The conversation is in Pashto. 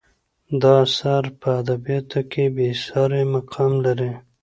دا اثر په ادبیاتو کې بې سارې مقام لري.